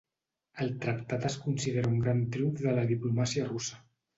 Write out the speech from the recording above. El tractat es considera un gran triomf de la diplomàcia russa.